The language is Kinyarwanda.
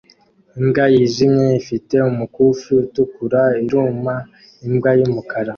Imbwa yijimye ifite umukufi utukura iruma imbwa yumukara